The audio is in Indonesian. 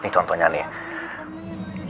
nih contohnya nih